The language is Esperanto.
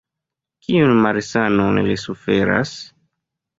Kiun malsanon li suferas?